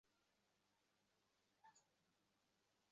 দৃষ্টান্তস্বরূপ বলা যাইতে পারে যে, নিজ মস্তিষ্ক সম্পর্কে কেহই সচেতন নয়।